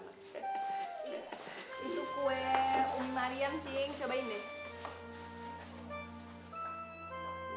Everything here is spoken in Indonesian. itu kue ummi mariam cing cobain deh